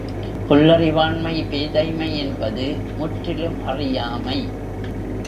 புல்லறிவாண்மை பேதைமை என்பது முற்றிலும் அறியாமை.